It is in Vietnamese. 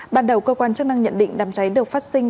ban đầu cơ quan chức năng nhận định đám cháy được phát sinh